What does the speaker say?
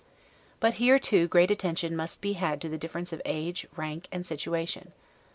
But here, too, great attention must be had to the difference of age, rank, and situation.